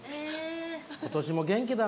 今年も元気だね。